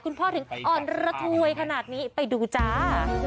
พ่อถึงอ่อนระทวยขนาดนี้ไปดูจ้า